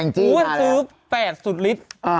อุ้ยซื้อ๘สุดลิตร